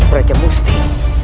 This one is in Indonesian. yang harus beracem musti